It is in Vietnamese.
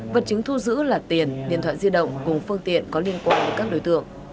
vật chứng thu giữ là tiền điện thoại di động cùng phương tiện có liên quan với các đối tượng